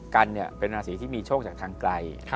กันเป็นราศีที่มีโชคจากทางไกล